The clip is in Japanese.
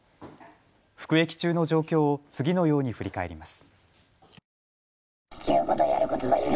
服役中の状況を次のように振り返ります。